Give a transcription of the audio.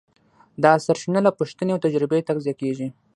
دا سرچینه له پوښتنې او تجربې تغذیه کېږي.